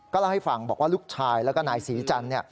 เล่าให้ฟังบอกว่าลูกชายแล้วก็นายศรีจันทร์